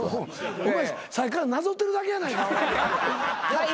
お前さっきからなぞってるだけやないかおい。